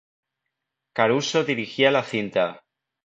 Caruso dirigiría la cinta.